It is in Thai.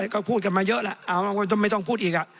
ก็พูดกันมาเยอะแหละไม่ต้องพูดอีก